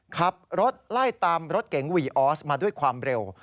ขับรถไล่ตามรถเก๋งวีออสมาด้วยความเร็ว